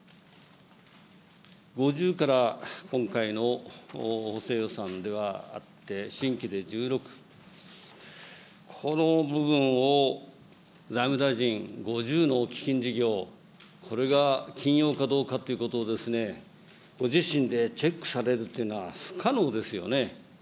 ５０から今回の補正予算ではあって、新規で１６、この部分を財務大臣、５０の基金事業、これが緊要かどうかということをですね、ご自身でチェックされるというのは不可能ですよね。